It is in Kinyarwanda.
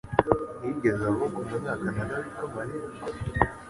yigeze avuga umunyakanada witwa Mariya?